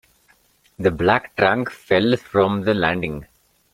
The black trunk fell from the landing.